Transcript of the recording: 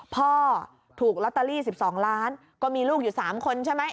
พ่อถูกลอตเตอรี่๑๒ล้านก็มีลูกอยู่๓คนใช่ไหม